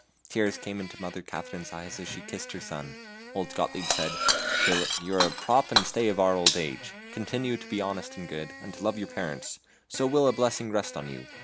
Tears came into Mother Katharine's eyes as she kissed her son; old Gottlieb said: "Philip, you are the prop and stay of our old age. Continue to be honest and good, and to love your parents, so will a blessing rest on you.